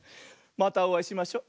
またおあいしましょ。